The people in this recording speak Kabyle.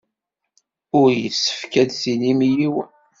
Ur yessefk ad tinim i yiwen.